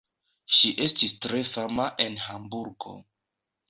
Ŝi estis tre fama en Hamburgo.